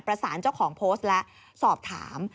ประสานเจ้าของโพสต์และสอบถาม